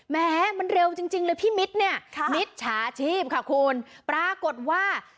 แม้มันเร็วจริงจริงเลยพี่มิดเนี้ยครับมิดชาชีพค่ะคุณปรากฏว่า